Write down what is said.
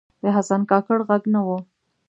د حسن کاکړ ږغ نه و